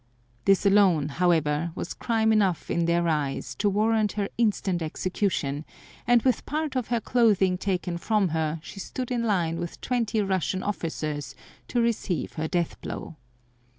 This alone, however, was crime enough in their eyes to warrant her instant execution, and with part of her clothing taken from her she stood in line with twenty Russian officers to receive her death blow.